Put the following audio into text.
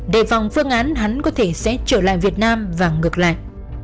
đề phòng phương án hắn có thể sẽ trở lại việt nam và ngược lại